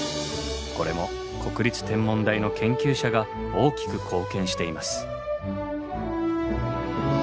これも国立天文台の研究者が大きく貢献しています。